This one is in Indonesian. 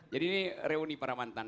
jadi ini reuni para mantan